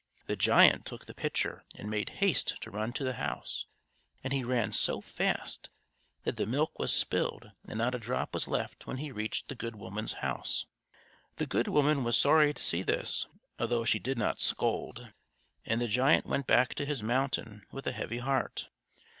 The giant took the pitcher and made haste to run to the house; and he ran so fast that the milk was spilled and not a drop was left when he reached the good woman's house. The good woman was sorry to see this, although she did not scold; and the giant went back to his mountain with a heavy heart.